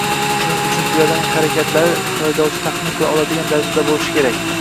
Shuning uchun piyodaning harakatlari haydovchi taxmin qila oladigan darajada bo‘lishi kerak.